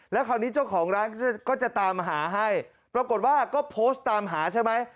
แล้วคราวนี้เจ้าของร้านก็จะตามหาให้ปรากฏว่าก็โพสต์ตามหาใช่ไหม